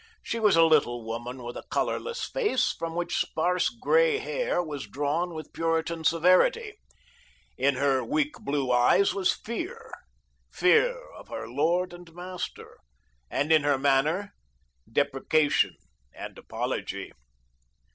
She was a little woman with a colourless face, from which sparse grey hair was drawn with puritan severity. In her weak blue eyes was fear fear of her lord and master, and in her manner deprecation and apology.